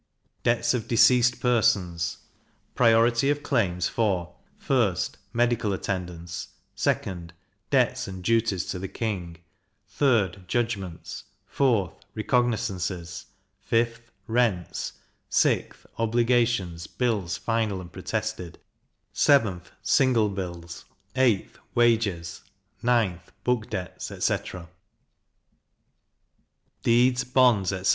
Debts of deceased Persons. Priority of claims for: 1st, medical attendance; 2d, debts and duties to the king; 3d, judgments; 4th, recognizances; 5th, rents; 6th, obligations, bills final and protested; 7th, single bills; 8th, wages; 9th, book debts, etc. _Deeds, Bonds, etc.